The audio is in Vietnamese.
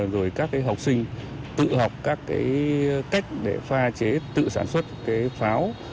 rồi các học sinh tự học các cách để pha chế tự sản xuất pháo